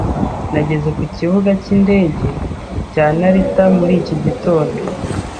Nageze ku Kibuga cyindege cya Narita muri iki gitondo.